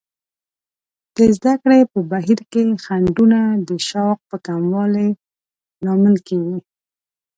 د زده کړې په بهیر کې خنډونه د شوق په کموالي لامل کیږي.